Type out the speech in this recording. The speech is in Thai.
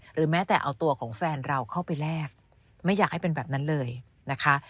หรือแม้แต่เอาตัวของแฟนเราเข้าไปแลกไม่อยากให้เป็นแบบนั้นเลยนะคะ